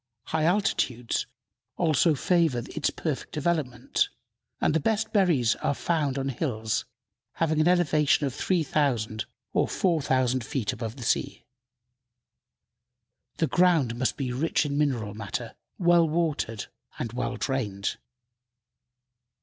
High altitudes also favor its perfect development, and the best berries are found on hills having an elevation of 3,000 or 4,000 feet above the sea. The ground must be rich in mineral matter, well watered and well drained.